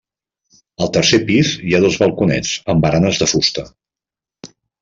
Al tercer pis hi ha dos balconets amb baranes de fusta.